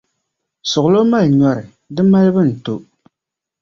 Suɣulo mali nyɔri, di malibu n-to.